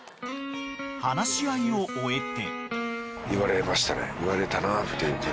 ［話し合いを終えて］